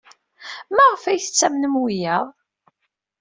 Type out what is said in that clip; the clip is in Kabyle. Maɣef ay tettamnem wiyaḍ?